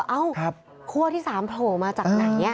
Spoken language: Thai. เอ้าคั่วที่๓โผล่มาจากไหน